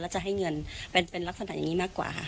จะให้เงินเป็นลักษณะอย่างนี้มากกว่าค่ะ